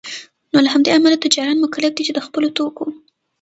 نوله همدې امله تجاران مکلف دی چي دخپلو توکو